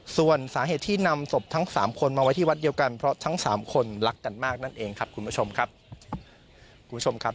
ส่วนสาเหตุที่นำศพทั้งสามคนมาไว้ที่วัดเดียวกันเพราะทั้งสามคนรักกันมากนั่นเองครับคุณผู้ชมครับคุณผู้ชมครับ